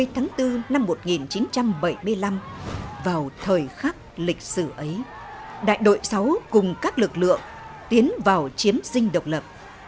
tháng bốn năm một nghìn chín trăm bảy mươi năm vào thời khắc lịch sử ấy đại đội sáu cùng các lực lượng tiến vào chiếm dinh độc lập